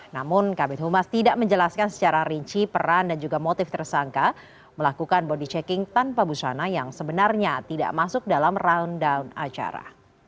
namun kabit humas tidak menjelaskan secara rinci peran dan juga motif tersangka melakukan body checking tanpa busana yang sebenarnya tidak masuk dalam round down acara